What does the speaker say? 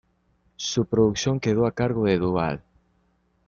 Su producción quedó a cargo de Duvall.